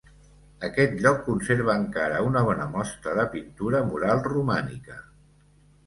Aquest lloc conserva encara una bona mostra de pintura mural romànica.